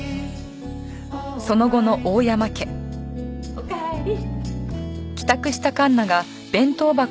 おかえり！